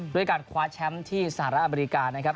ด้วยการควาชัมทร์ที่สหรัฐอเมริกา